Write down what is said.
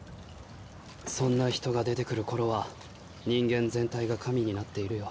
そんな人が出てくる頃は人間全体が神になっているよ。